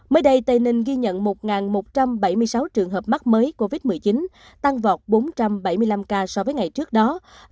mới đây tây ninh ghi nhận một một trăm bảy mươi sáu trường hợp mắc mới covid một mươi chín tăng vọt bốn trăm bảy mươi năm ca so với ngày trước đó